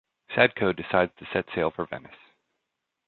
Sadko decides to set sail for Venice.